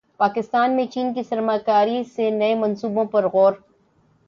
پاکستان میں چین کی سرمایہ کاری سے نئے منصوبوں پر غور